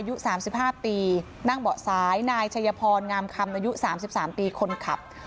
อายุ๓๕ปีนั่งเบาะซ้ายนายชัยพรงามคำอายุ๓๓ปีคนขับ